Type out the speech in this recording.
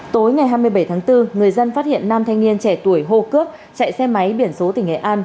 tối ngày hai mươi bảy tháng bốn người dân phát hiện nam thanh niên trẻ tuổi hô cướp chạy xe máy biển số tỉnh nghệ an